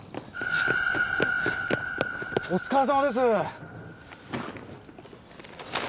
お疲れさまです。